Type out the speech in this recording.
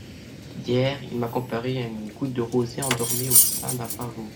Hier, il m'a comparée à une goutte de rosée endormie au sein d'un pavot.